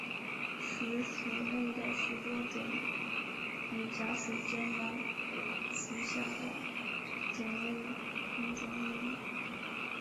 此属内的许多种与假水晶兰属下的种为同种异名。